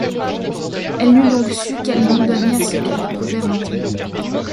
Elle n'eût donc su quel nom donner à ce qu'elle éprouvait maintenant.